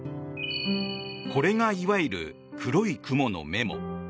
これが、いわゆる黒いクモのメモ。